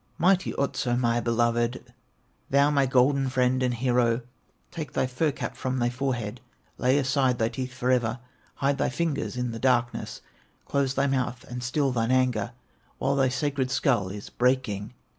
"Mighty Otso, my beloved, Thou my golden friend and hero, Take thy fur cap from thy forehead, Lay aside thy teeth forever, Hide thy fingers in the darkness, Close thy mouth and still thine anger, While thy sacred skull is breaking.